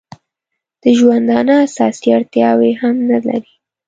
د ژوندانه اساسي اړتیاوې هم نه لري.